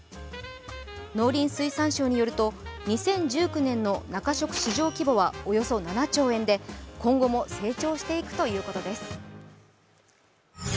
農林水産省によると２０１９年の中食市場規模はおよそ７兆円で今後も成長していくということです。